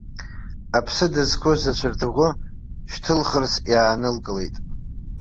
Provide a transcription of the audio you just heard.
Аԥсы дызқәыз ацәарҭаӷәы шьҭылхырц иаанылкылеит.